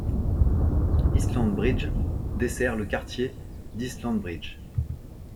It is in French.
Islands Brygge dessert le quartier d'Islands Brygge.